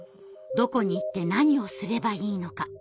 どこに行って何をすればいいのか？